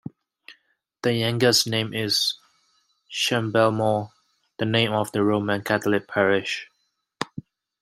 The youngest name is Shanballymore, the name of the Roman Catholic parish.